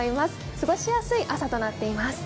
過ごしやすい朝となっています。